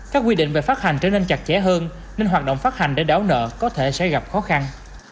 các quy định về phát hành trở nên chặt chẽ hơn nên hoạt động phát hành để đáo nợ có thể sẽ gặp khó khăn